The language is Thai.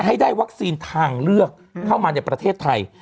ให้ได้วัคซีนทางเลือกเข้ามาในประเทศไทย